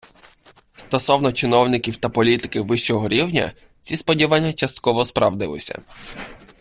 Стосовно чиновників та політиків вищого рівня, ці сподівання частково справдилися.